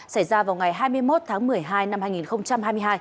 xảy ra vào ngày hai mươi một tháng một mươi hai năm hai nghìn hai mươi hai